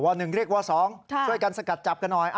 ว่าหนึ่งเรียกว่าสองช่วยกันสกัดจับกันหน่อย